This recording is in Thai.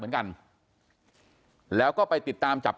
กลุ่มตัวเชียงใหม่